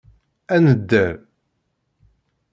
Ad nedder.